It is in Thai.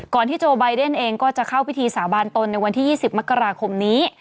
ที่โจไบเดนเองก็จะเข้าพิธีสาบานตนในวันที่๒๐มกราคมนี้